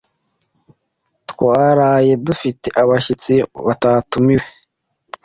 Twaraye dufite abashyitsi batatumiwe.